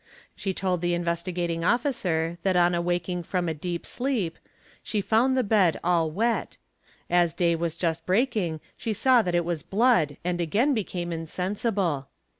She | told the Investigating Officer that on awakening from a deep sleep, she found the bed all wet; as day was just breaking she saw that it was — blood and again became insensible.